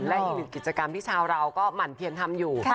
และอีกหนึ่งกิจกรรมที่ชาวเราก็หมั่นเพียนทำอยู่